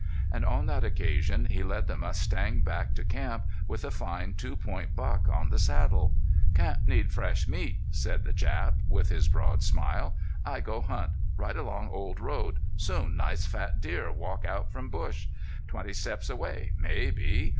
And on that occasion he led the mustang back to camp with a fine two point buck on the saddle. "Camp need fresh meat," said the Jap, with his broad smile. "I go hunt. Ride along old road. Soon nice fat deer walk out from bush. Twenty steps away maybe.